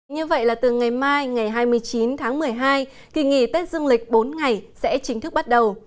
như vậy là từ ngày mai ngày hai mươi chín tháng một mươi hai kỳ nghỉ tết dương lịch bốn ngày sẽ chính thức bắt đầu